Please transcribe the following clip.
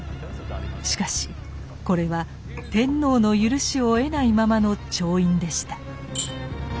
しかしこれは天皇の許しを得ないままの調印でした。